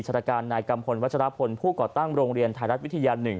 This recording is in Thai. ราชการนายกัมพลวัชรพลผู้ก่อตั้งโรงเรียนไทยรัฐวิทยา๑